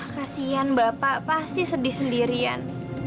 kasian bapak pasti sedih sendirian